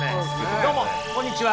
どうもこんにちは。